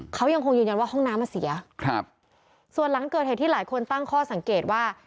เขายังคงยืนยันว่าห้องน้ำอ่ะเสียครับส่วนหลังเกิดเหตุที่หลายคนตั้งข้อสังเกตว่า